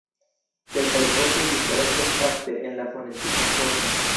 Kelkaj vortoj diferencas fakte en la fonetika formo.